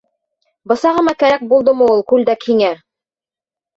Бысағыма кәрәк булдымы ул күлдәк һиңә!